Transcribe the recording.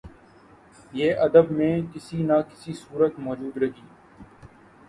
یہ ادب میں کسی نہ کسی صورت موجود رہی